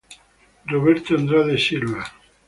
Roberto Andrade Silva